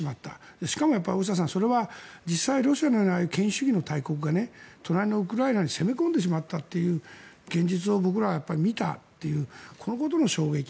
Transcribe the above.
しかも大下さん、それは実際ロシアのような権威主義の大国が隣のウクライナに攻め込んでしまったという現実を僕らは見たというこのことも衝撃。